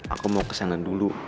aku mau kesana dulu